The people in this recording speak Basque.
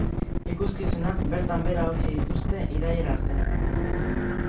Ikuskizunak bertan behera utzi dituzte irailera arte.